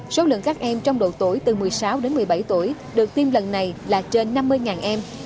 số lượng các em trong độ tuổi từ một mươi sáu đến một mươi bảy tuổi được tiêm lần này là trên năm mươi em